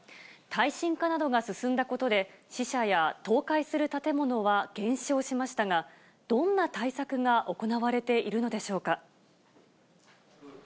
耐震化などが進んだことで、死者や倒壊する建物は減少しましたが、どんな対策が行われているきょう。